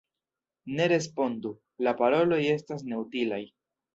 Ne respondu: la paroloj estas neutilaj.